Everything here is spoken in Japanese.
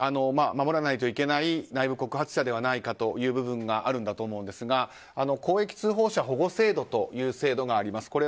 守らないといけない内部告発者ではないかという部分があるんだと思うんですが公益通報者保護制度という制度があります。